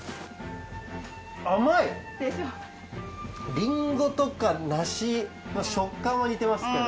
リンゴとか梨と食感は似てますけど。